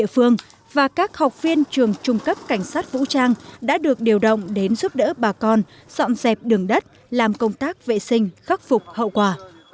phương và các học viên trường trung cấp cảnh sát vũ trang đã được điều động đến giúp đỡ bà con dọn dẹp đường đất làm công tác vệ sinh khắc phục hậu quả